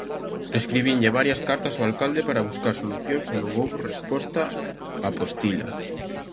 "Escribinlle varias cartas ao alcalde para buscar solucións e non houbo resposta", apostila.